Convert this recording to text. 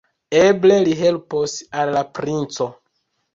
Eble, li helpos al la princo!